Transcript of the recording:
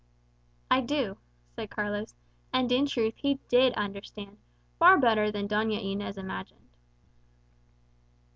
"I do," said Carlos; and in truth he did understand, far better than Doña Inez imagined.